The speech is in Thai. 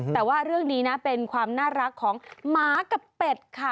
แต่ว่าเรื่องนี้นะเป็นความน่ารักของหมากับเป็ดค่ะ